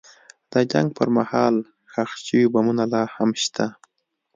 د جنګ پر مهال ښخ شوي بمونه لا هم شته.